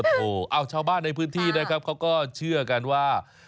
โอ้โหชาวบ้านในพื้นที่นะครับเขาก็เชื่อกันว่า